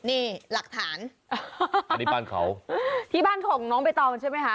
นี่หลักฐานอันนี้บ้านเขาที่บ้านของน้องใบตองใช่ไหมคะ